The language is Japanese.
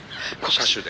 車種で。